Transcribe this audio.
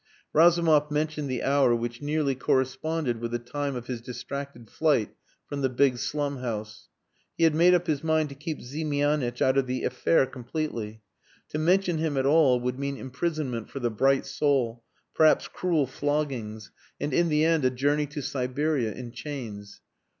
Razumov mentioned the hour which nearly corresponded with the time of his distracted flight from the big slum house. He had made up his mind to keep Ziemianitch out of the affair completely. To mention him at all would mean imprisonment for the "bright soul," perhaps cruel floggings, and in the end a journey to Siberia in chains.